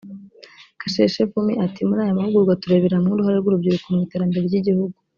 Kacheche Vumi ati “Muri aya mahugurwa turebera hamwe uruhare rw’urubyiruko mu iterambere ry’igihugu